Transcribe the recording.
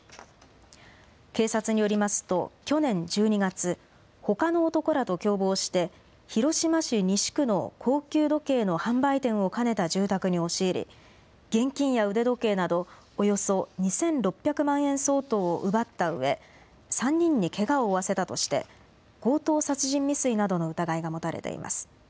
警察によりますと、去年１２月、ほかの男らと共謀して、広島市西区の高級時計の販売店を兼ねた住宅に押し入り、現金や腕時計など、およそ２６００万円相当を奪ったうえ、３人にけがを負わせたとして、強盗殺人未遂などの疑いが持たれています。